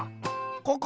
ここ！